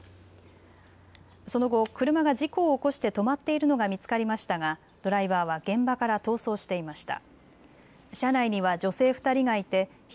その後、車が事故を起こして止まっているのが見つかりましたがドライバーは現場から逃走していました。